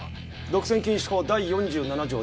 独占禁止法第４７条